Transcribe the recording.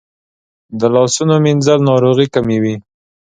د لاسونو مینځل ناروغۍ کموي.